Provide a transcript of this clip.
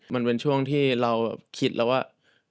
มันเป็นช่วงที่เราคิดแล้วว่า